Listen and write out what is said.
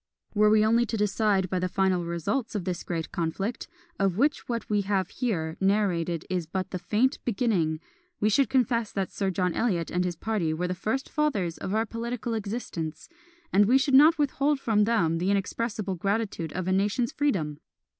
Were we only to decide by the final results of this great conflict, of which what we have here narrated is but the faint beginning, we should confess that Sir John Eliot and his party were the first fathers of our political existence; and we should not withhold from them the inexpressible gratitude of a nation's freedom!